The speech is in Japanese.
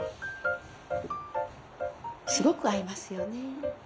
すごく合いますよね。